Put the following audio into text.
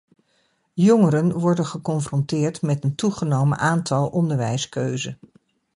Jongeren worden geconfronteerd met een toegenomen aantal onderwijskeuzen.